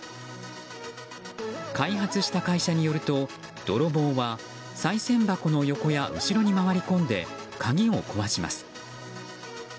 開発した会社によると、泥棒はさい銭箱の横や後ろに回り込んで鍵を壊します。